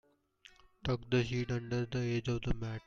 Tuck the sheet under the edge of the mat.